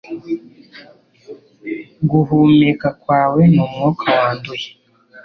Guhumeka kwawe ni umwuka wanduye